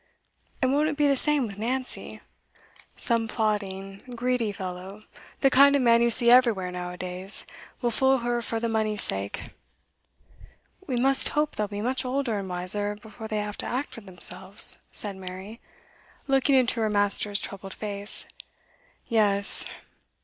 And won't it be the same with Nancy? Some plotting, greedy fellow the kind of man you see everywhere now a days, will fool her for the money's sake.' 'We must hope they'll be much older and wiser before they have to act for themselves,' said Mary, looking into her master's troubled face. 'Yes!